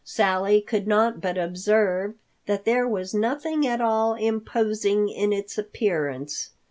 Sally could not but observe that there was nothing at all imposing in its appearance.